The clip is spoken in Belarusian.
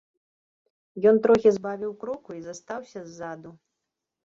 Ён трохі збавіў кроку і застаўся ззаду.